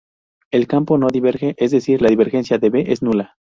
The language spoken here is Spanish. El campo no diverge, es decir la divergencia de B es nula.